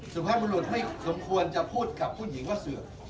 สุภาพบุรุษไม่สมควรจะพูดกับผู้หญิงว่าเสื่อม